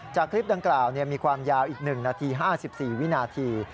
คลิปดังกล่าวมีความยาวอีก๑นาที๕๔วินาที